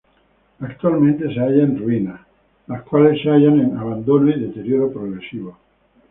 Actualmente se halla en Ruinas, las cuales, se hallan en abandono y deterioro progresivo.